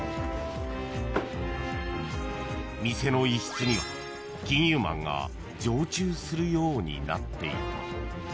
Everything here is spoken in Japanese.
［店の一室には金融マンが常駐するようになっていた］